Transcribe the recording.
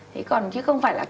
thế còn chứ không phải là